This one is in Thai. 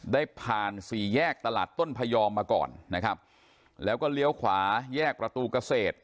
ได้ผ่านสี่แยกตลาดต้นพยอมมาก่อนนะครับแล้วก็เลี้ยวขวาแยกประตูเกษตร